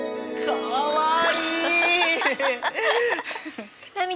かわいい。